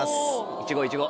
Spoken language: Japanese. いちごいちご。